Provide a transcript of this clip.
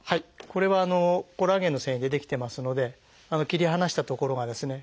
これはコラーゲンの線維で出来てますので切り離した所がですね